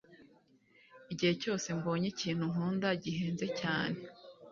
Igihe cyose mbonye ikintu nkunda, gihenze cyane.